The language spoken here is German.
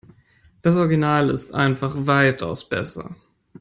Das Original ist einfach weitaus besser.